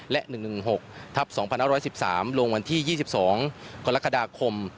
และ๑๑๖ทับ๒๕๑๓ลงวันที่๒๒กรกฎาคม